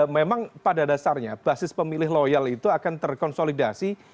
memang pada dasarnya basis pemilih loyal itu akan terkonsolidasi